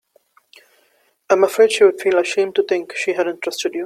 I'm afraid she'd feel ashamed to think she hadn't trusted you.